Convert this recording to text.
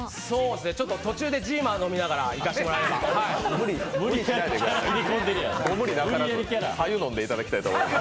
ちょっと途中でジーマ飲みながらいこうと思います。